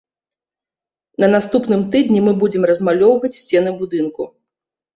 На наступным тыдні мы будзем размалёўваць сцены будынку.